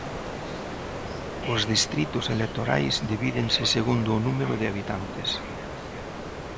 Os distritos electorais divídense segundo o número de habitantes.